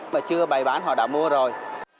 mà chưa bày bán họ đã mua rồi